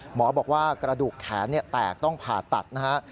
หมอบอกว่ากระดูกแขนแตกต้องผ่าตัดนะฮะ